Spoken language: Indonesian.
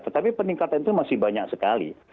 tetapi peningkatan itu masih banyak sekali